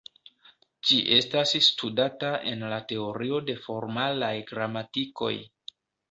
Ĝi estas studata en la Teorio de formalaj gramatikoj.